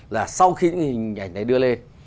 là sau khi những hình ảnh này đưa lên